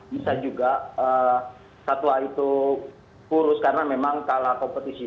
bisa juga satwa itu kurus karena memang kalah kompetisi